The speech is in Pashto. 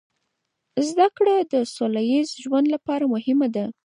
زده کړه د سوله ییز ژوند لپاره مهمه ده.